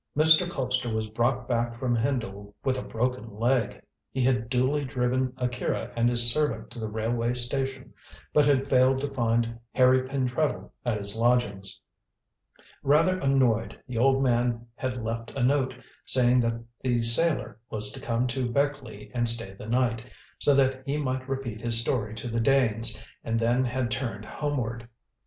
Mr. Colpster was brought back from Hendle with a broken leg. He had duly driven Akira and his servant to the railway station, but had failed to find Harry Pentreddle at his lodgings. Rather annoyed, the old man had left a note, saying that the sailor was to come to Beckleigh and stay the night, so that he might repeat his story to the Danes, and then had turned homeward.